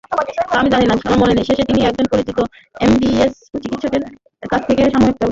শেষে তিনি একজন পরিচিত এমবিবিএস চিকিৎসকের কাছ থেকে সাময়িক ব্যবস্থাপত্র নিয়েছিলেন।